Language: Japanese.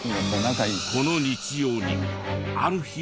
この日常にある日悲劇が。